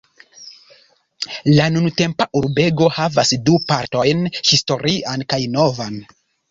La nuntempa urbego havas du partojn: historian kaj novan.